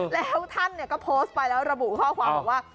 แล้วท่านก็โพสต์ไปแล้วระบุข้อความบอกว่า